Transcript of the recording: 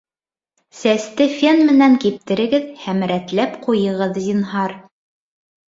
Сәсте фен менән киптерегеҙ һәм рәтләп ҡуйығыҙ, зинһар